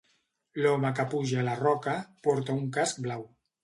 L'home que puja a la roca porta un casc blau.